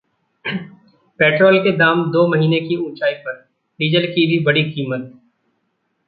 petrol के दाम दो महीने की ऊंचाई पर, डीजल की भी बढ़ी कीमत